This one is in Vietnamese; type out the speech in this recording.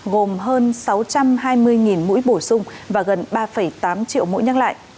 gồm hơn sáu trăm hai mươi mũi bổ sung và gần ba tám triệu mũi nhắc lại